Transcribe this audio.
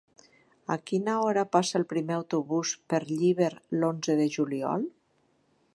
A quina hora passa el primer autobús per Llíber l'onze de juliol?